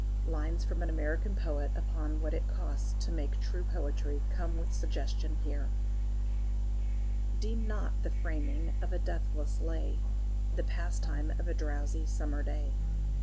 Lines from an American poet upon what it costs to make true poetry, come with suggestion here: Deem not the framing of a deathless lay The pastime of a drowsy summer day.